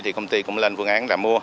thì công ty cũng lên phương án là mua